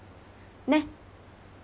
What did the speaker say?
ねっ。